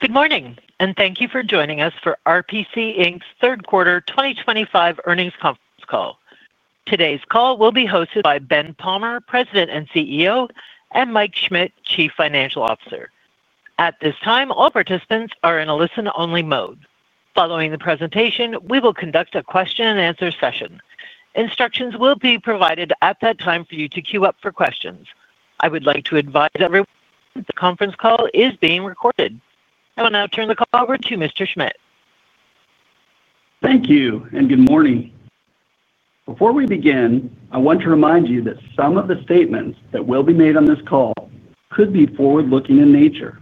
Good morning and thank you for joining us for RPC Inc.'s third quarter 2025 earnings conference call. Today's call will be hosted by Ben Palmer, President and CEO, and Mike Schmit, Chief Financial Officer. At this time, all participants are in a listen-only mode. Following the presentation, we will conduct a question and answer session. Instructions will be provided at that time for you to queue up for questions. I would like to advise everyone the conference call is being recorded. I will now turn the call over to Mr. Schmit. Thank you and good morning. Before we begin, I want to remind you that some of the statements that will be made on this call could be forward-looking in nature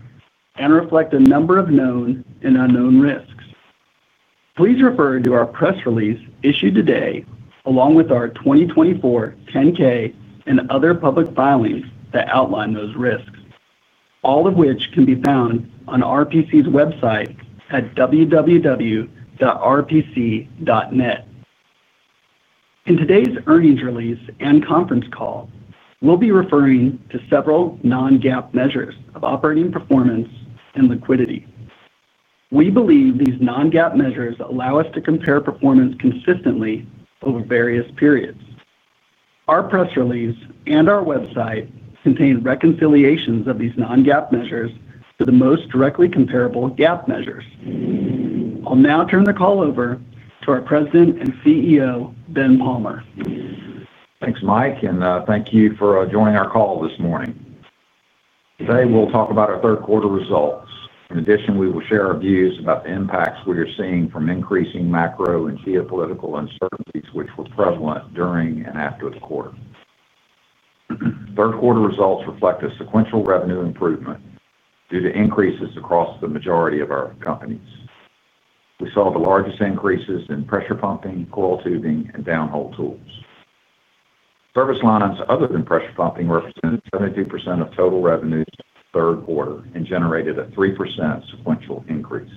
and reflect a number of known and unknown risks. Please refer to our press release issued today along with our 2024 10-K and other public filings that outline those risks, all of which can be found on RPC's website at www.rpc.net. In today's earnings release and conference call, we'll be referring to several non-GAAP measures of operating performance and liquidity. We believe these non-GAAP measures allow us to compare performance consistently over various periods. Our press release and our website contain reconciliations of these non-GAAP measures to the most directly comparable GAAP measures. I'll now turn the call over to our President and CEO, Ben Palmer. Thanks, Mike, and thank you for joining our call this morning. Today we'll talk about our third quarter results. In addition, we will share our views about the impacts we are seeing from increasing macro and geopolitical uncertainties which were prevalent during and after the third quarter. Results reflect a sequential revenue improvement due to increases across the majority of our companies. We saw the largest increases in pressure pumping, coiled tubing, and downhole tools. Service lines other than pressure pumping represented 72% of total revenues in the third quarter and generated a 3% sequential increase.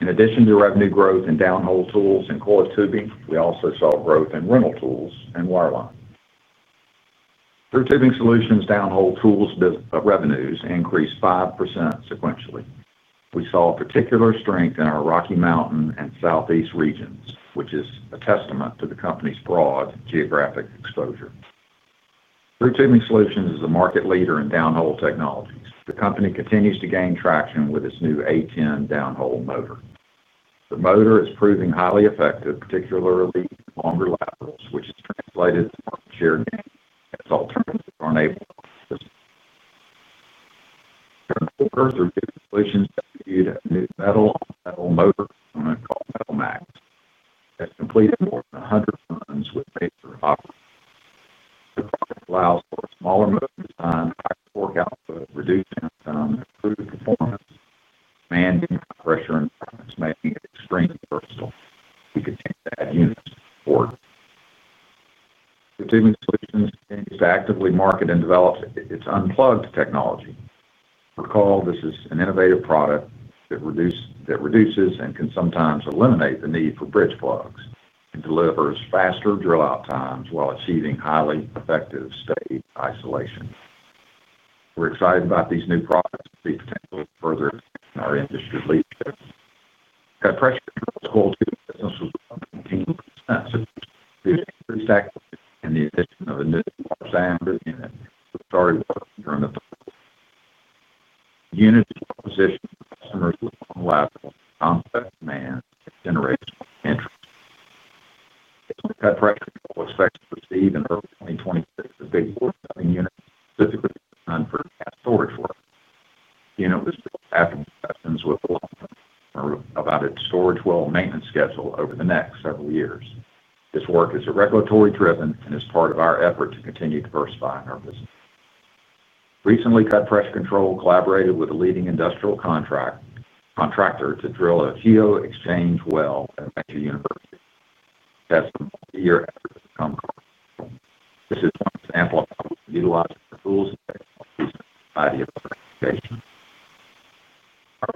In addition to revenue growth in downhole tools and coiled tubing, we also saw growth in rental tools and wireline. Thru Tubing Solutions downhole tools revenues increased 5% sequentially. We saw particular strength in our Rocky Mountain and Southeast regions, which is a testament to the company's broad geographic exposure. Thru Tubing Solutions is a market leader in downhole technologies. The company continues to gain traction with its new A10 downhole motor. The motor is proving highly effective, particularly longer laterals, which is translated to market share gains as alternatives are enabled completions. New metal-on-metal motor component called Metalmax has completed more than 100 runs with [Mac Hopper]. The project allows for a smaller motor design, higher torque output, reduced downtime, improved performance demanding pressure, making it extremely versatile. We could take bad units or Thru Tubing Solutions continues to actively market and develop its unplugged technology. Recall this is an innovative product that reduces and can sometimes eliminate the need for bridge plugs and delivers faster drill-out times while achieving highly effective state isolation. We're excited about these new products. The potential further our industry leadership position customers with unilateral complex demand generation, interesting units physically on first. You know this after discussions with the long term about its storage well maintenance schedule over the next several years. This work is regulatory driven and is part of our effort to continue diversifying our business. Recently, Cut Pressure Control collaborated with a leading industrial contractor to drill an geo exchange well at university testimony. This is one example of how we can utilize our tools, our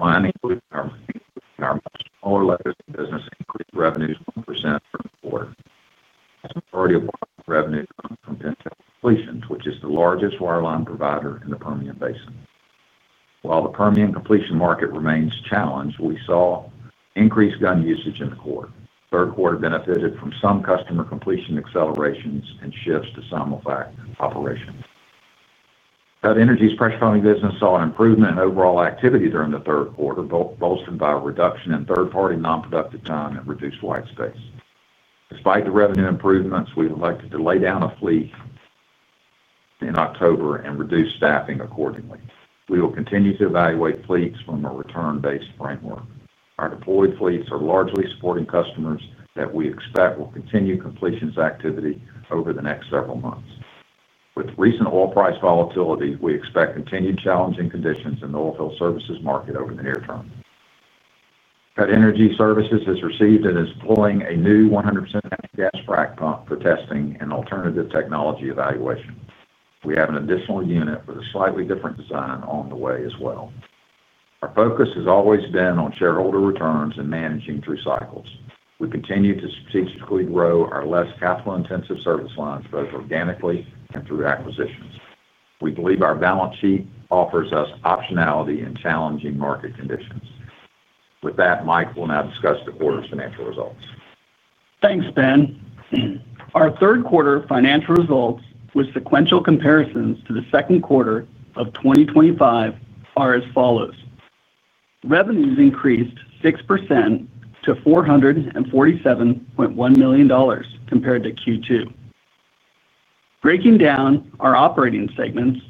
mining, our much smaller letters of business. Increased revenues 1% from the quarter. Revenue comes from. Pentel Completions, which is the largest wireline provider in the Permian Basin. While the Permian completion market remains challenged, we saw increased gun usage in the quarter's third quarter, benefited from some customer completion accelerations and shifts to simulfrac operations. RPC Inc.'s pressure pumping business saw an improvement in overall activity during the third quarter, bolstered by a reduction in third-party non-productive time and reduced white space. Despite the revenue improvements, we elected to lay down a fleet in October and reduce staffing accordingly. We will continue to evaluate fleets from a return-based framework. Our deployed fleets are largely supporting customers that we expect will continue completions activity over the next several months. With recent oil price volatility, we expect continued challenging conditions in the oilfield services market over the near term. RPC Energy Services has received and is employing a new 100% natural gas frac pump for testing and alternative technology evaluation. We have an additional unit with a slightly different design on the way as well. Our focus has always been on shareholder returns and managing through cycles. We continue to strategically grow our less capital-intensive service lines both organically and through acquisitions. We believe our balance sheet offers us optionality in challenging market conditions. With that, Mike will now discuss the quarter's financial results. Thanks Ben. Our third quarter financial results with sequential comparisons to the second quarter of 2025 are as follows. Revenues increased 6% to $447.1 million compared to Q2. Breaking down our operating segments,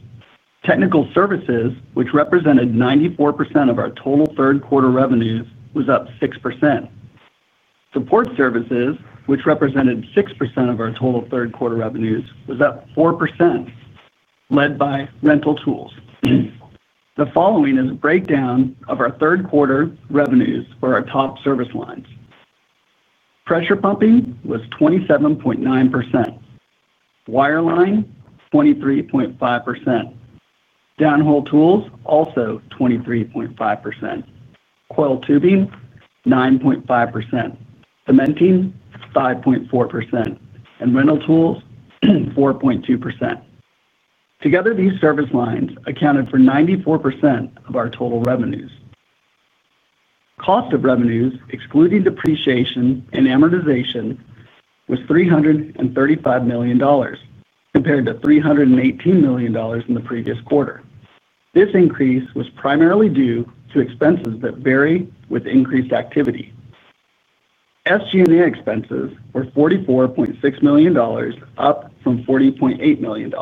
Technical Services, which represented 94% of our total third quarter revenues, was up 6%. Support Services, which represented 6% of our total third quarter revenues, was up 4%, led by rental tools. The following is a breakdown of our third quarter revenues for our top service lines. Pressure pumping was 27.9%, wireline 23.5%, downhole tools also 23.5%, coiled tubing 9.5%, cementing 5.4%, and rental tools 4.2%. Together these service lines accounted for 94% of our total revenues. Cost of revenues excluding depreciation and amortization was $335 million compared to $318 million in the previous quarter. This increase was primarily due to expenses that vary with increased activity. SG&A expenses were $44.6 million, up from $40.8 million.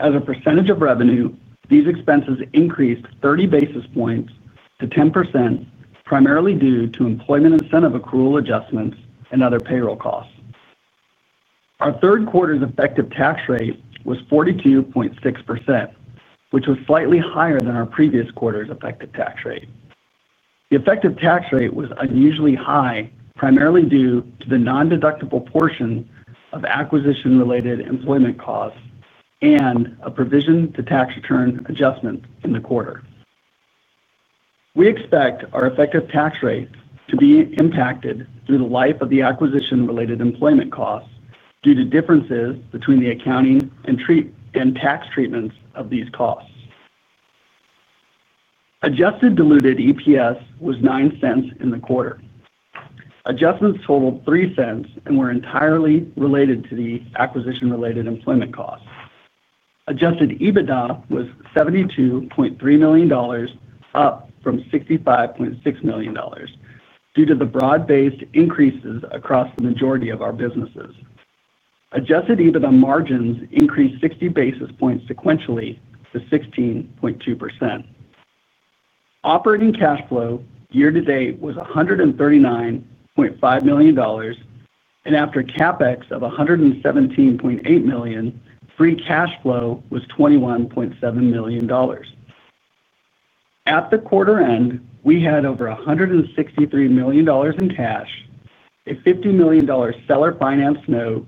As a percentage of revenue, these expenses increased 30 basis points to 10%, primarily due to employment incentive accrual adjustments and other payroll costs. Our third quarter's effective tax rate was 42.6%, which was slightly higher than our previous quarter's effective tax rate. The effective tax rate was unusually high primarily due to the non-deductible portion of acquisition-related employment costs and a provision to tax return adjustment in the quarter. We expect our effective tax rate to be impacted through the life of the acquisition-related employment costs due to differences between the accounting and tax treatments of these costs. Adjusted diluted EPS was $0.09 in the quarter. Adjustments totaled $0.03 and were entirely related to the acquisition-related employment costs. Adjusted EBITDA was $72.3 million, up from $65.6 million due to the broad-based increases across the majority of our businesses. Adjusted EBITDA margins increased 60 basis points sequentially to 16.2%. Operating cash flow year to date was $139.5 million, and after CapEx of $117.8 million, free cash flow was $21.7 million. At the quarter end, we had over $163 million in cash, a $50 million seller finance note,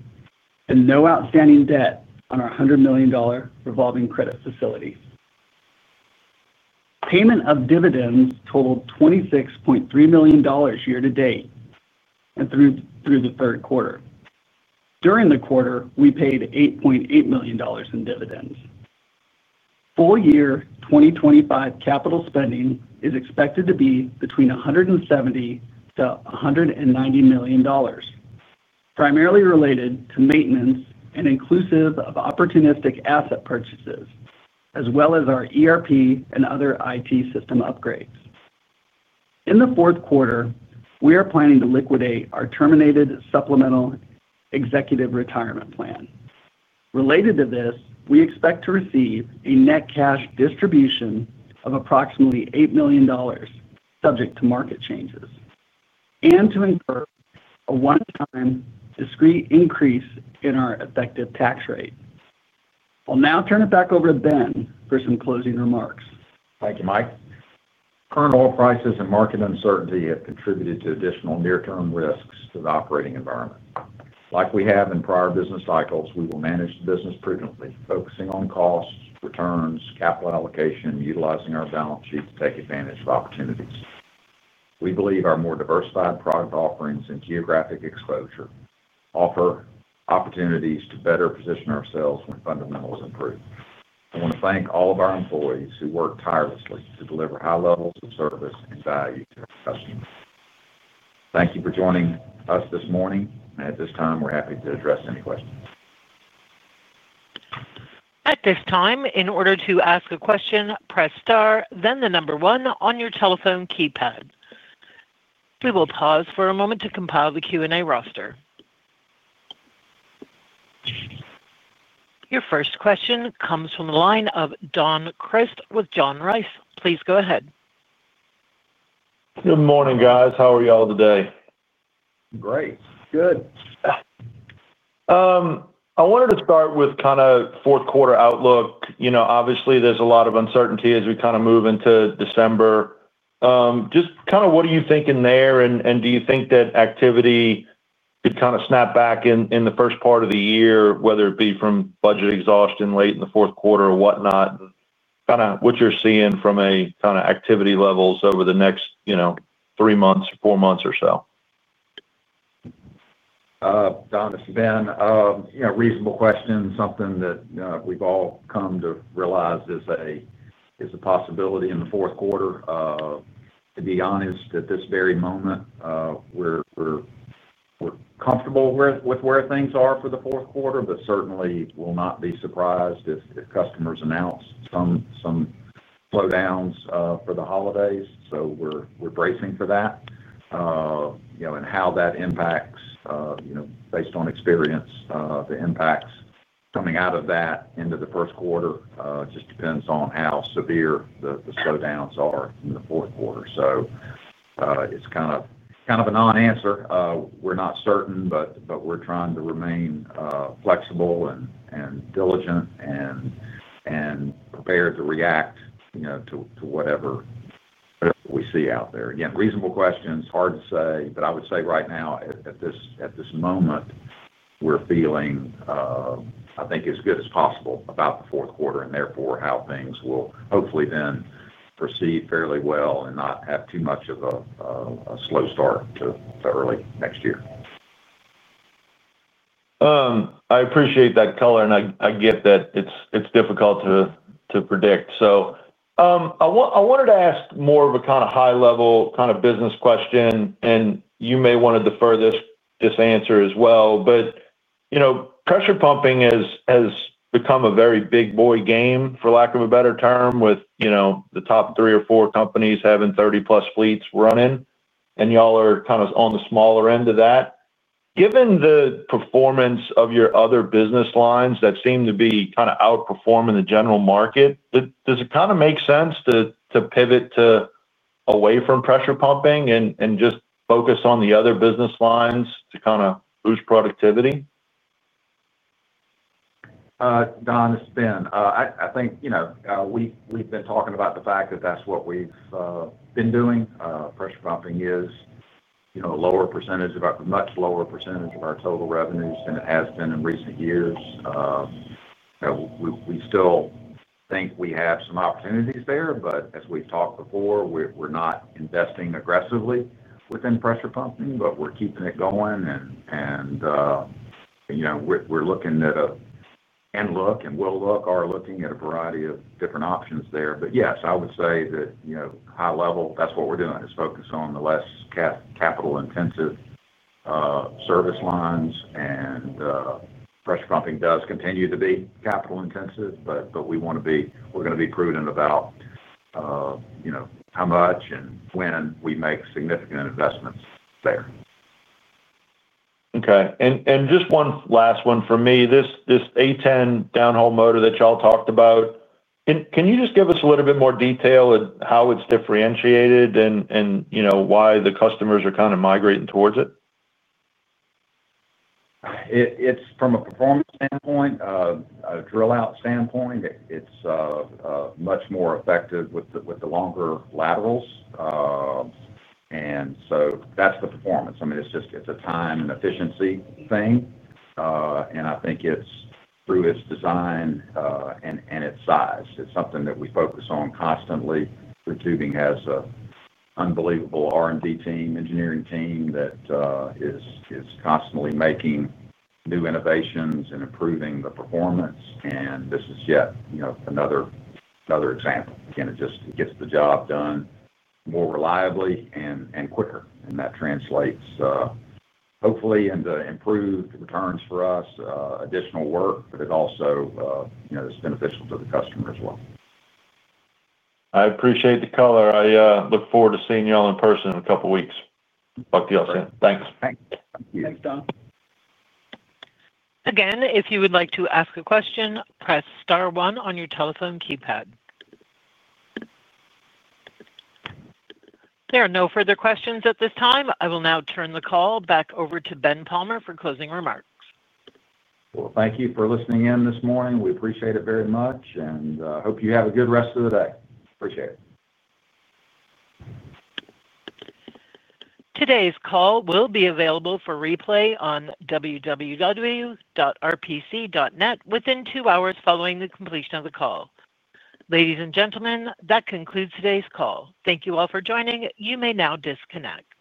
and no outstanding debt on our $100 million revolving credit facility. Payment of dividends totaled $26.3 million year to date and through the third quarter. During the quarter, we paid $8.8 million in dividends. Full year 2025 capital spending is expected to be between $170 million to $190 million, primarily related to maintenance and inclusive of opportunistic asset purchases as well as our ERP and other IT system upgrades. In the fourth quarter, we are planning to liquidate our terminated Supplemental Executive Retirement Plan. Related to this, we expect to receive a net cash distribution of approximately $8 million, subject to market changes, and to incur a one-time discrete increase in our effective tax rate. I'll now turn it back over to Ben for some closing remarks. Thank you, Mike. Current oil prices and market uncertainty have contributed to additional near term risks to the operating environment. Like we have in prior business cycles, we will manage the business prudently, focusing on costs, returns, capital allocation, utilizing our balance sheet to take advantage of opportunities. We believe our more diversified product offerings and geographic exposure offer opportunities to better position ourselves when fundamentals improve. I want to thank all of our employees who work tirelessly to deliver high levels of service and value to our customers. Thank you for joining us this morning. At this time we're happy to address any questions. At this time, in order to ask a question, press Star, then the number one on your telephone keypad. We will pause for a moment to compile the Q&A roster. Your first question comes from the line of Don Crist with John Rice. Please go ahead. Good morning, guys. How are y'all today? Great. Good. I wanted to start with kind of fourth quarter outlook. Obviously there's a lot of uncertainty as we kind of move into December. Just kind of what are you thinking there? Do you think that activity could kind of snap back in the first part of the year, whether it be from budget exhaustion late in the fourth quarter or whatnot, kind of what you're seeing from a kind of activity levels over the next three months, four months or so? Don, this has been a reasonable question, something that we've all come to realize is a possibility in the fourth quarter. To be honest, at this very moment we're comfortable with where things are for the fourth quarter, but certainly will not be surprised if customers announce some slowdowns for the holidays. We're bracing for that, and how that impacts, based on experience, the impacts coming out of that into the first quarter just depends on how severe the slowdowns are in the fourth quarter. It's kind of a non answer. We're not certain, but we're trying to remain flexible, diligent, and prepared to react to whatever we see out there. Again, reasonable questions, hard to say, but I would say right now at this moment we're feeling, I think, as good as possible about the fourth quarter and therefore how things will hopefully then proceed fairly well and not have too much of a slow start to early next year. I appreciate that color and I get that it's difficult to predict. I wanted to ask more of a high-level business question and you may want to defer this answer as well. You know, pressure pumping has become a very big boy game, for lack of a better term, with the top three or four companies having 30+ fleets running. Y'all are kind of on the smaller end of that. Given the performance of your other business lines that seem to be outperforming the general market, does it make sense to pivot away from pressure pumping and just focus on the other business lines to boost productivity? Don, it's Ben, I think, you know, we've been talking about the fact that that's what we've been doing. Pressure pumping is, you know, a lower percentage of our, much lower percentage of our total revenues than it has been in recent years. We still think we have some opportunities there. As we've talked before, we're not investing aggressively within pressure pumping, but we're keeping it going. You know, we're looking at, and will look at a variety of different options there. Yes, I would say that, you know, high level, that's what we're doing is focus on the less capital intensive service lines. Pressure pumping does continue to be capital intensive, but we want to be, we're going to be prudent about, you know, how much and when we make significant investments there. Okay, and just one last one for me. This A10 downhole motor that y'all talked about, can you just give us a little bit more detail how it's differentiated and why the customers are kind of migrating towards it? From a performance standpoint, a drill-out standpoint, it's much more effective with the longer laterals. That's the performance. I mean, it's just a time and efficiency thing. I think it's through its design and its size. It's something that we focus on constantly. Thru Tubing has an unbelievable R&D team, engineering team that is constantly making new innovations and improving the performance. This is yet another example. It just gets the job done more reliably and quicker. That translates hopefully in the improved returns for us, additional work. It also is beneficial to the customer as well. I appreciate the color. I look forward to seeing you all in person in a couple of weeks. Talk to you all soon. Thanks. Thanks. Thanks, Don. Again, if you would like to ask a question, press star one on your telephone keypad. There are no further questions at this time. I will now turn the call back over to Ben Palmer for closing remarks. Thank you for listening in this morning. We appreciate it very much and hope you have a good rest of the day. Appreciate it. Today's call will be available for replay on www.rpc.net within two hours following the completion of the call. Ladies and gentlemen, that concludes today's call. Thank you all for joining. You may now disconnect.